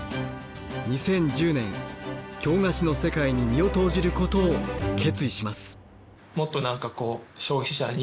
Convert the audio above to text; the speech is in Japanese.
２０１０年京菓子の世界に身を投じることを決意します。